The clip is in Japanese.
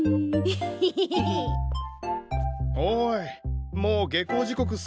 おいもう下校時刻過ぎてるぞ。